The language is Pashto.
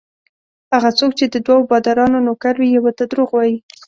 هغه څوک چې د دوو بادارانو نوکر وي یوه ته درواغ وايي.